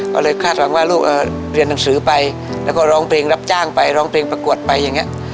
ก็เลยคาดหวังว่าลูกเรียนหนังสือไปแล้วก็ร้องเพลงรับจ้างไปร้องเพลงประกวดไปอย่างนี้